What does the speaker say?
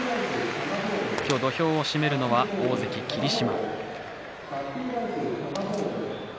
今日、土俵を締めるのは大関霧島。